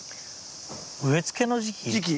植え付けの時期？